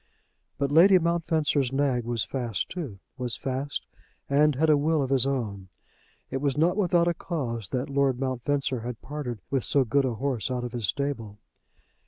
But Lady Mountfencer's nag was fast too, was fast and had a will of his own. It was not without a cause that Lord Mountfencer had parted with so good a horse out of his stable.